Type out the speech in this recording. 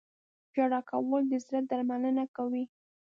• ژړا کول د زړه درملنه کوي.